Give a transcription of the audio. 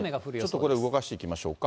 ちょっとこれ動かしていきましょうか。